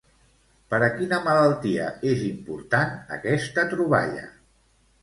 Per a quina malaltia és importat aquesta troballa?